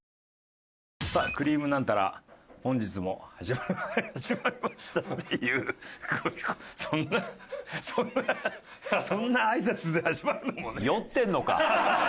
「さあ『くりぃむナンタラ』本日も始まりました」っていうそんなそんなそんなあいさつで始まるのもね。